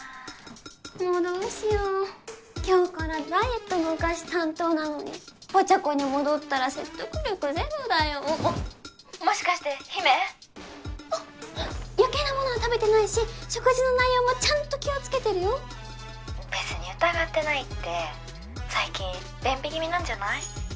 もうどうしよう今日からダイエットのお菓子担当なのにぽちゃ子に戻ったら説得力ゼロだよ☎もしかして陽芽あっ余計なものは食べてないし食事の内容もちゃんと気をつけてるよ☎別に疑ってないって☎最近便秘気味なんじゃない？